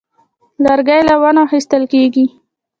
لرګی له ونو اخیستل کېږي.